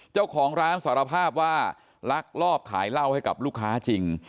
เจ้าของร้านสารภาพว่าลักลอบขายเหล้าให้กับลูกค้าจริง